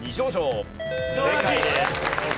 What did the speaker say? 正解です。